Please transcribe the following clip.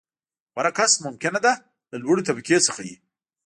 • غوره کس ممکنه ده، له لوړې طبقې څخه وي.